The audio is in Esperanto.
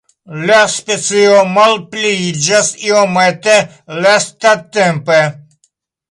La specio malpliiĝas iomete lastatempe.